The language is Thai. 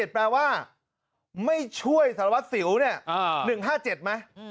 ๑๕๗แปลว่าไม่ช่วยสารวัติศิลป์เนี่ย๑๕๗มั้ย